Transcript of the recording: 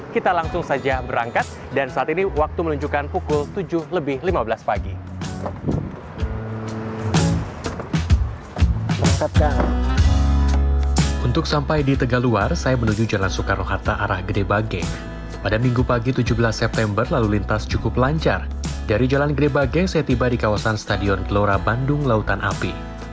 kita langsung saja berangkat dan saat ini waktu menunjukkan pukul tujuh lebih lima belas pagi